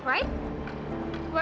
di mana tempatnya